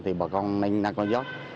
thì bà con nên năng con gió